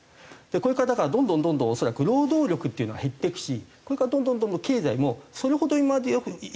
これからだからどんどんどんどん恐らく労働力っていうのは減っていくしこれからどんどんどんどん経済もそれほど今まで以上に順調ではない。